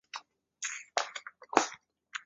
下列意大利天主教教区列表。